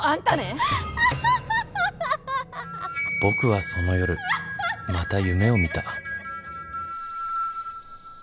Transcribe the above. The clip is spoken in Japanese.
僕はその夜また夢を見た。